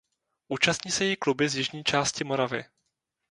Účastní se jí kluby z jižní části Moravy.